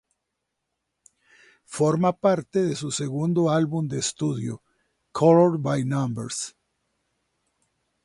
Forma parte de su segundo álbum de estudio "Colour by Numbers".